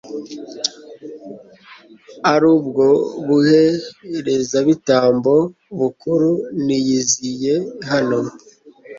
ari bwo ubuherezabitambo bukuru, niyiziye hano